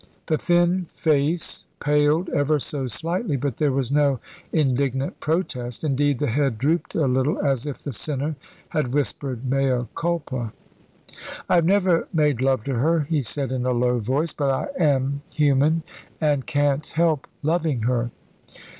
The thin face paled ever so slightly, but there was no indignant protest; indeed, the head drooped a little, as if the sinner had whispered mea culpa. "I have never made love to her," he said in a low voice. "But I am human, and can't help loving her."